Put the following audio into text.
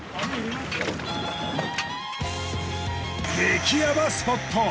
激ヤバスポット！